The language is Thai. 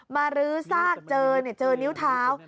มาลื้อซากเจอเนี่ยเจอนิ้วเท้า